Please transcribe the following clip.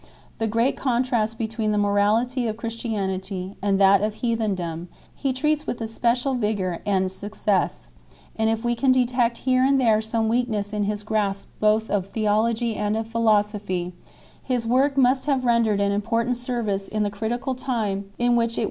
The great contrast between the morality of Christianity and that of heathendom he treats with especial vigour and success ; and if we can detect here and there some weakness in his grasp both of theology and of philosophy, his work must have rendered an important service in the critical time in CHAP. IV.